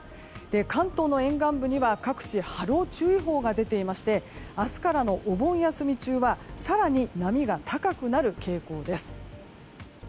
関東の沿岸部には各地波浪注意報が出ていまして明日からのお盆休み中は更に波が高くなる傾向です。